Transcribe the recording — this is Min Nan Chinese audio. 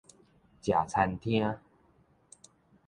食餐廳